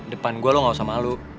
depan gue lo gak usah malu